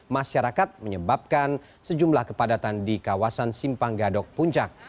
masyarakat menyebabkan sejumlah kepadatan di kawasan simpang gadok puncak